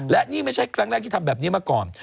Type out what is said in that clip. และนี่ไม่ใช่ครั้งแรกที่ทำแบบนี้มาก่อน